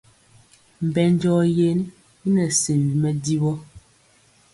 Mbɛnjɔ yen i nɛ sewi mɛdivɔ.